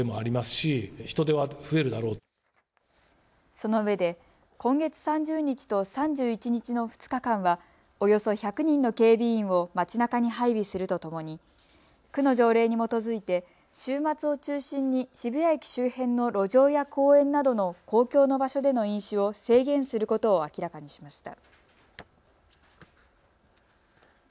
そのうえで今月３０日と３１日の２日間はおよそ１００人の警備員を街なかに配備するとともに区の条例に基づいて週末を中心に渋谷駅周辺の路上や公園などの公共の場所での飲酒を制限することを明らかにしました。